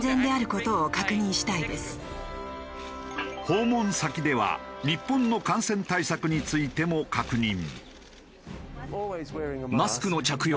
訪問先では日本の感染対策についても確認。